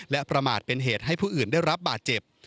และประมาทเป็นเหตุให้ผู้อื่นได้รับบาดเจ็บ